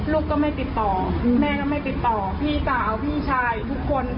ลูกก็ไม่ติดต่อแม่ก็ไม่ติดต่อพี่สาวพี่ชายทุกคน